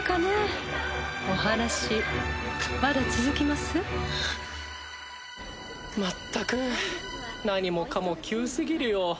まったく何もかも急すぎるよ